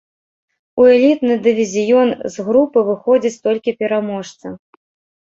У элітны дывізіён з групы выходзіць толькі пераможца.